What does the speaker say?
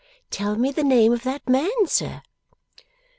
Tell me the name of that man, sir.